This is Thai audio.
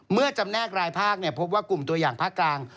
จำแนกรายภาคพบว่ากลุ่มตัวอย่างภาคกลาง